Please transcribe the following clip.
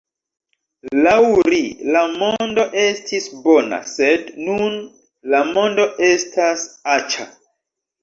Laŭ ri, la mondo estis bona, sed nun, la mondo estas aĉa.